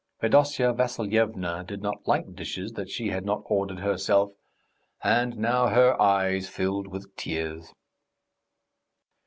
Fedosya Vassilyevna did not like dishes that she had not ordered herself, and now her eyes filled with tears.